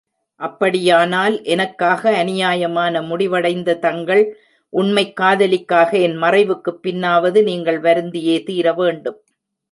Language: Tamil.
அப்படியானால் எனக்காக அநியாயமான முடிவடைந்த தங்கள் உண்மைக் காதலிக்காக என் மறைவுக்குப் பின்னாவது நீங்கள் வருந்தியே தீரவேண்டும்.